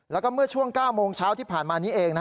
แล้วก็เมื่อช่วง๙โมงเช้าที่ผ่านมานี้เอง